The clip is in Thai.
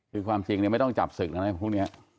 คือความจริงเนี่ยไม่ต้องจับสึกนะเนี่ยพวกเนี้ย